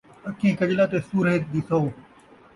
اکھیں کجلا تے سورھے دی سو